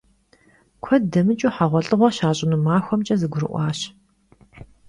Kued demıç'ıu heğuelh'ığue şaş'ınu maxuemç'e zegurı'uaş.